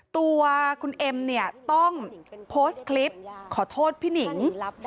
ตัวคุณเอ็มเนี่ยต้องโพสต์คลิปขอโทษพี่หนิง